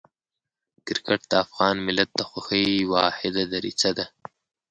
کرکټ د افغان ملت د خوښۍ واحده دریڅه ده.